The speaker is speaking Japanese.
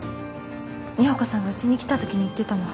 美保子さんがうちに来たときに言ってたの。